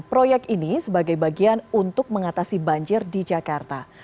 proyek ini sebagai bagian untuk mengatasi banjir di jakarta